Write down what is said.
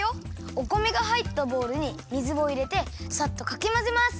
お米がはいったボウルに水をいれてさっとかきまぜます！